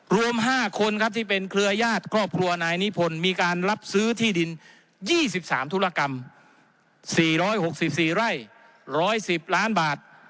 รวม๕คนครับที่เป็นเครือญาติครอบครัวนายนิพนธ์มีการรับซื้อที่ดิน๒๓ธุรกรรม๔๖๔ไร่๑๑๐ล้านบาท